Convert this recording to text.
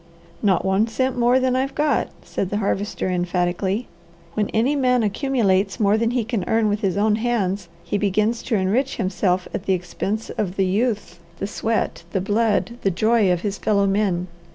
"Not one cent more than I've got," said the Harvester emphatically. "When any man accumulates more than he can earn with his own hands, he begins to enrich himself at the expense of the youth, the sweat, the blood, the joy of his fellow men.